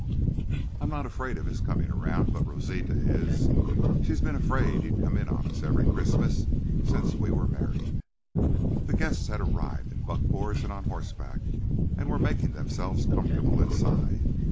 I'm not afraid of his coming around, but Rosita is. She's been afraid he'd come in on us every Christmas since we were married." The guests had arrived in buckboards and on horseback, and were making themselves comfortable inside.